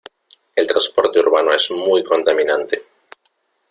El transporte urbano es muy contaminante.